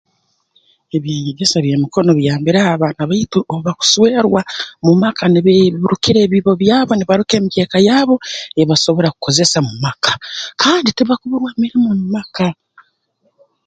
Eby'enyegesa by'emikono biyambireho abaana baitu obu bakuswerwa mu maka nibeerukira ebiibo byabo nibaruka emikeeka yabo ei basobora kukozesa mu maka kandi tibakuburwa mirimo mu maka